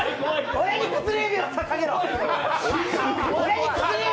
俺に薬指をささげろ！